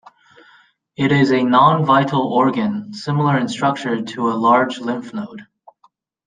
It is a non-vital organ, similar in structure to a large lymph node.